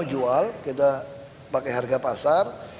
kita jual kita pakai harga pasar